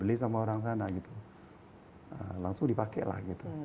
langsung dipakai lah